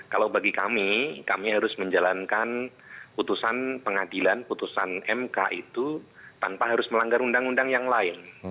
kalau bagi kami kami harus menjalankan putusan pengadilan putusan mk itu tanpa harus melanggar undang undang yang lain